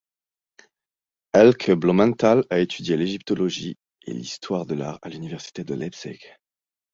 Elke Blumenthal a étudié l'égyptologie et l'histoire de l'art à l'université de Leipzig.